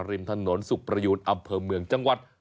ริมถนนสุขประยูนอำเภอเมืองจังหวัด